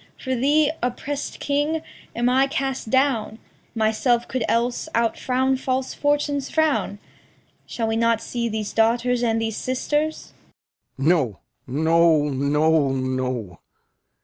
For thee, oppressed king, am I cast down; Myself could else outfrown false Fortune's frown. Shall we not see these daughters and these sisters? Lear. No, no, no, no!